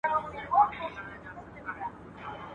پخواني خلک شېدې په وړیو کې اچولې.